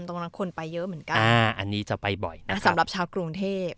ตรงนั้นคนไปเยอะเหมือนกันอ่าอันนี้จะไปบ่อยนะสำหรับชาวกรุงเทพ